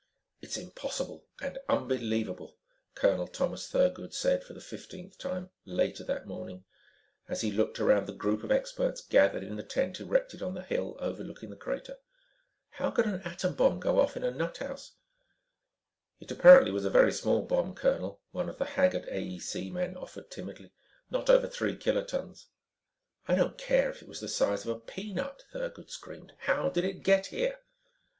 "It's impossible and unbelievable," Colonel Thomas Thurgood said for the fifteenth time, later that morning, as he looked around the group of experts gathered in the tent erected on the hill overlooking the crater. "How can an atom bomb go off in a nut house?" "It apparently was a very small bomb, colonel," one of the haggard AEC men offered timidly. "Not over three kilotons." "I don't care if it was the size of a peanut," Thurgood screamed. "How did it get here?"